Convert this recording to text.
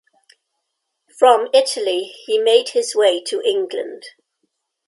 From Italy he made his way to England.